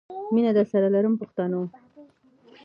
مینه درسره لرم پښتنو.